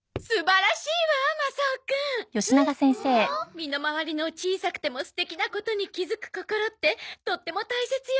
身の回りの小さくても素敵なことに気づく心ってとっても大切よ。